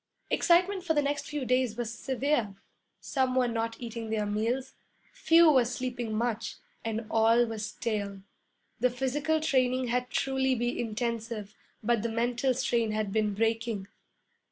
Excitement for the next few days was severe. Some were not eating their meals, few were sleeping much, and all were stale. The physical training had truly been intensive, but the mental strain had been breaking.